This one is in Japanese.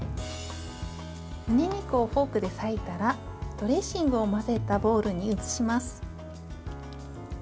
むね肉をフォークで裂いたらドレッシングを混ぜたボウルに移します。